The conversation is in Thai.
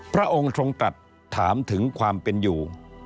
พระองค์ทรงตัดถามถึงความเป็นอยู่